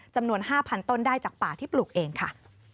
จำนวน๕๐๐ต้นได้จากป่าที่ปลูกเองค่ะ